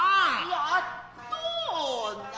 やっとな。